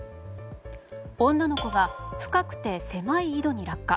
女の子が深くて狭い井戸に落下。